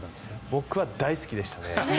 僕は大好きでした。